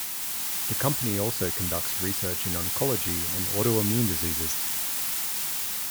The Company also conducts research in oncology and autoimmune diseases.